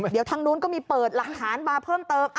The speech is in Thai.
เดี๋ยวทางนู้นก็มีเปิดหลักฐานมาเพิ่มเติม